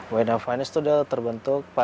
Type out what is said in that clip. wayna finest itu sudah terbentuk pas dua ribu dua puluh